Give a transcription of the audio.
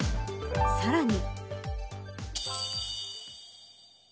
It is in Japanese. さらに。